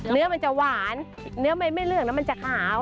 เนื้อมันจะหวานเนื้อมันไม่เลือกแล้วมันจะขาว